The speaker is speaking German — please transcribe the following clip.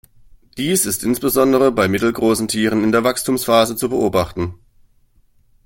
Dies ist insbesondere bei mittelgroßen Tieren in der Wachstumsphase zu beobachten.